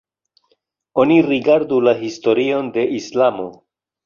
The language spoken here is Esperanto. Oni rigardu la historion de islamo.